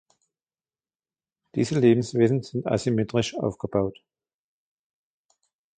Diese Lebewesen sind asymmetrisch aufgebaut.